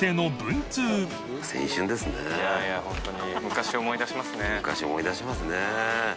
昔を思い出しますね。